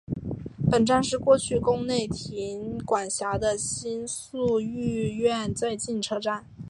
本站是过去宫内厅管辖的新宿御苑最近车站。